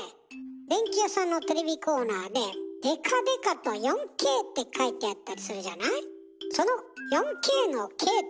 電器屋さんのテレビコーナーででかでかと「４Ｋ」って書いてあったりするじゃない？